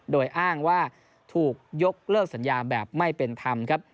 โดยอ้างว่าถูกยกเลิกสัญญาแบบไม่เป็นธรรมครับ